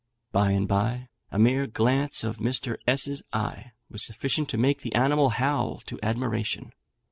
By and by, a mere glance of Mr. S 's eye was sufficient to make the animal howl to admiration.